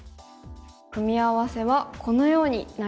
組み合わせはこのようになりました。